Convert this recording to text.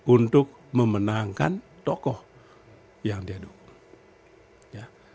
untuk memenangkan tokoh yang dia dukung